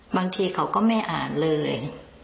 บางทีเขาก็ไม่อ่านเลย